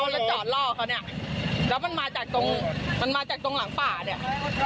แล้วมันมาจากตรงหลังป่าเนี่ย